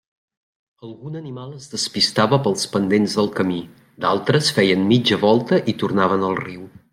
Algun animal es despistava pels pendents del camí, d'altres feien mitja volta i tornaven al riu.